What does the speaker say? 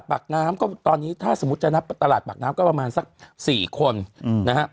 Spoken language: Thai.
ท่านี้ถ้าสมมติจะรับตลาดปากน้ำก็จะประมาณสักสี่คน